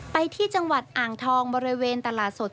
ไปที่จังหวัดอ่างทองบริเวณตลาดสด